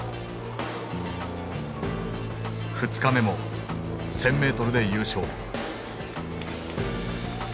２日目も１，０００ｍで優勝。